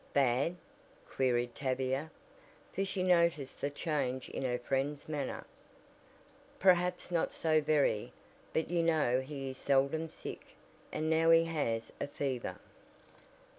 "Bad?" queried Tavia, for she noticed the change in her friend's manner. "Perhaps not so very. But you know he is seldom sick, and now he has a fever."